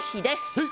えっ？